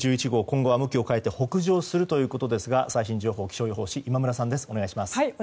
今後は向きを変えて北上するということですが最新情報気象予報士、今村さんです。